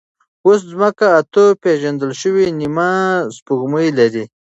اوس ځمکه اته پېژندل شوې نیمه سپوږمۍ لري.